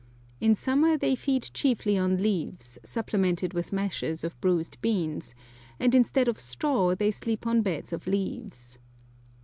In summer they feed chiefly on leaves, supplemented with mashes of bruised beans, and instead of straw they sleep on beds of leaves.